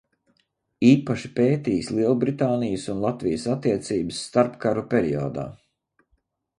Īpaši pētījis Liebritānijas un Latvijas attiecības starpkaru periodā.